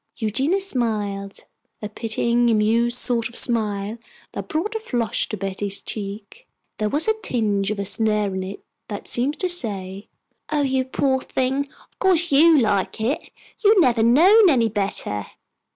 Eugenia smiled, a pitying, amused sort of smile that brought a flush to Betty's cheek. There was a tinge of a sneer in it that seemed to say, "Oh, you poor thing, of course you like it. You have never known any better."